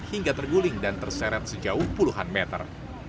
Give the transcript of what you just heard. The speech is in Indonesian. hingga terguling dan terseret sejauh puluhan meter